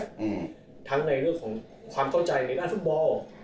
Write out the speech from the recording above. อย่างโยฮันครอยฟทั้งในเรื่องของความเข้าใจในด้านฟุตบอล